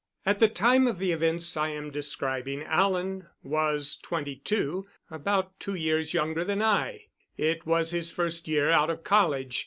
At the time of the events I am describing Alan was twenty two about two years younger than I. It was his first year out of college.